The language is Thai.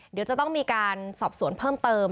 เดี๋ยวจะต้องมีการสอบสวนเพิ่มเติม